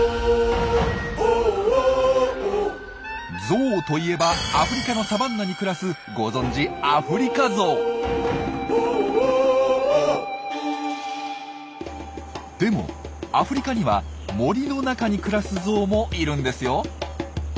ゾウといえばアフリカのサバンナに暮らすご存じでもアフリカには森の中に暮らすゾウもいるんですよ。